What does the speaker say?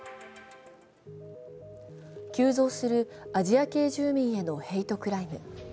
急増するアジア系住民へのヘイトクライム。